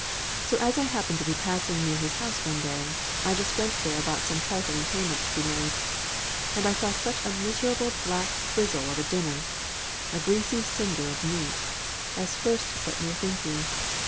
So, as I happened to be passing near his house one day, I just went there about some trifling payment to be made; and I saw such a miserable black frizzle of a dinner a greasy cinder of meat, as first set me a thinking.